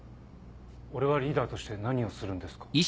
俺はリーダーとして何をするんですか？